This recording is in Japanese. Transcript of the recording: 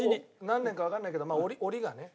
何年かわかんないけど澱がね。